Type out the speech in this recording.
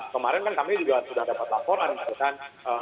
kemarin kan kami juga sudah dapat laporan gitu kan